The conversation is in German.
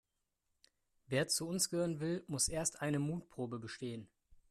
Wer zu uns gehören will, muss erst eine Mutprobe bestehen.